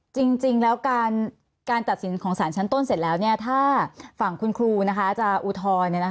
จริงแล้วการตัดสินของสารชั้นต้นเสร็จแล้วถ้าฝั่งคุณครูจะอุทธรณ์